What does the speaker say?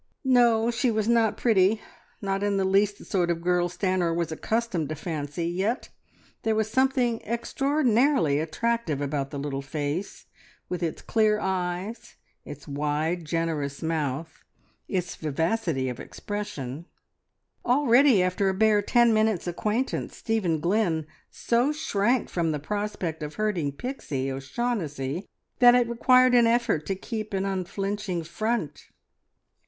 No, she was not pretty; not in the least the sort of girl Stanor was accustomed to fancy. Yet there was something extraordinarily attractive about the little face, with its clear eyes, its wide, generous mouth, its vivacity of expression. Already, after a bare ten minutes' acquaintance, Stephen Glynn so shrank from the prospect of hurting Pixie O'Shaughnessy that it required an effort to keep an unflinching front.